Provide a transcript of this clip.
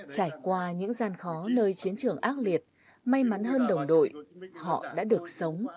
trải qua những gian khó nơi chiến trường ác liệt may mắn hơn đồng đội họ đã được sống